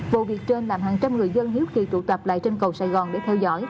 vụ việc trên làm hàng trăm người dân hiếu kỳ tụ tập lại trên cầu sài gòn để theo dõi